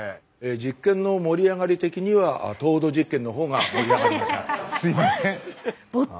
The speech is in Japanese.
実験の盛り上がり的には糖度実験の方が盛り上がりました。